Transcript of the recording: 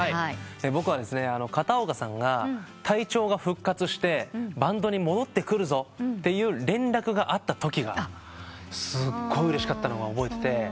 僕はですね片岡さんが体調が復活してバンドに戻ってくるぞという連絡があったときがすごいうれしかったのは覚えてて。